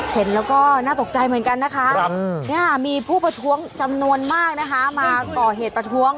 เห็นแล้วก็น่าตกใจเหมือนกันนะคะมีผู้ประท้วงจำนวนมากนะคะมาก่อเหตุประท้วง